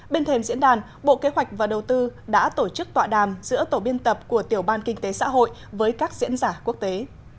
bên thềm diễn đàn bộ kế hoạch và đầu tư đã tổ chức tọa đàm giữa tổ biên tập của tiểu ban kinh tế xã hội với các diễn giả quốc tế